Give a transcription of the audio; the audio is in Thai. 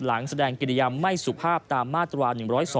แสดงกิริยามไม่สุภาพตามมาตรา๑๐๒